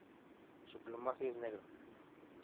Su plumaje es negro.